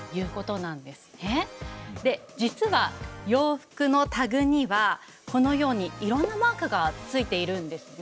実は洋服のタグにはこのようにいろんなマークがついているんですね。